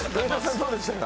どうでしたか？